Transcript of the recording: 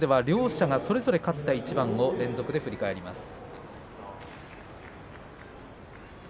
それぞれ勝った一番を連続で振り返ります。